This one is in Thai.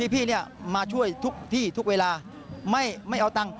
พี่มาช่วยทุกที่ทุกเวลาไม่เอาตังค์